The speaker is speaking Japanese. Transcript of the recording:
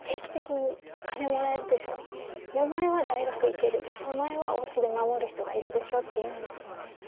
お前は大学行けるでしょお前はおうちで守る人がいるでしょという意味ですよね。